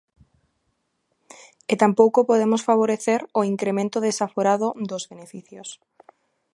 E tampouco podemos favorecer o incremento desaforado dos beneficios.